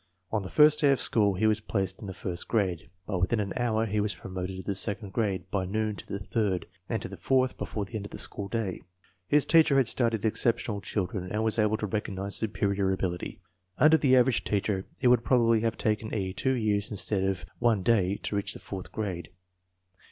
On the first day of school he was placed in the first grade, but within an hour he was promoted to the second grade, by noon to the third, and to the fourth before the end of the school dajfc His teacher had studied exceptional children and was able to recognize superior ability. Under the average teacher it would probably have taken E. two years instead of one day to reach the fourth grade.